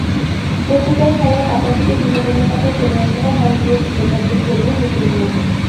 পত্রিকায় খেলার পাতা থেকে বিনোদনের পাতায় চলে আসাটা ভারতীয় ক্রিকেটারদের জন্য নতুন নয়।